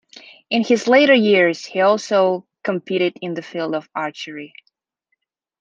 In his later years he also competed in the field of archery.